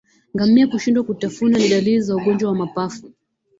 Ngamia kushindwa kutafuna ni dalili za ugonjwa wa mapafu